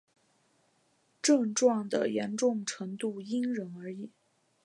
症状的严重程度因人而异。